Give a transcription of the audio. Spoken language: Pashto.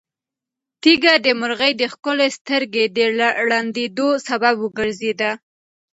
تیږه د مرغۍ د ښکلې سترګې د ړندېدو سبب وګرځېده.